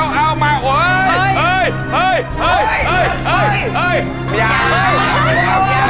เฮ่ยเฮ่ยเฮ่ยเฮ่ย